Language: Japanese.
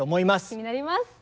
気になります！